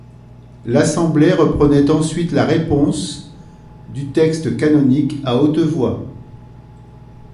L’assemblée reprenait ensuite la réponse ברוך יהוה המבורך du texte canonique à haute voix.